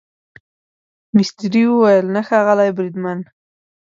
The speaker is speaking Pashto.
مستري وویل نه ښاغلی بریدمن.